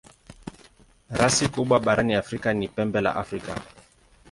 Rasi kubwa barani Afrika ni Pembe la Afrika.